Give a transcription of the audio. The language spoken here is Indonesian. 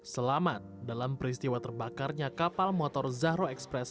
selamat dalam peristiwa terbakarnya kapal motor zahro express